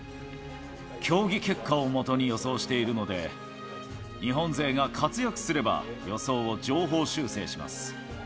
競技結果をもとに予想しているので、日本勢が活躍すれば、予想を上方修正します。